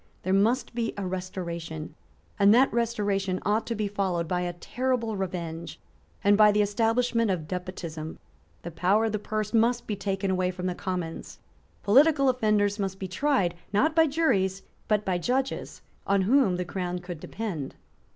There must be a restoration; and that restoration ought to be followed by a terrible revenge and by the establishment of despotism. The power of the purse must be taken away from the Commons. Political offenders must be tried, not by juries, but by judges on whom the Crown could depend.